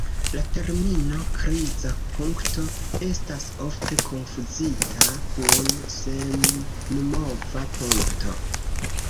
La termino "kriza punkto" estas ofte konfuzita kun "senmova punkto".